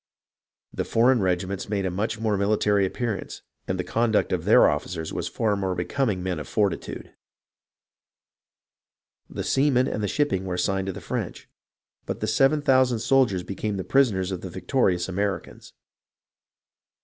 The foreign regiments made a much more military appearance, and the conduct of their officers was far more becoming men of forti tude." The seamen and the shipping were assigned to the French, but the 7000 soldiers became the prisoners of the victorious Americans.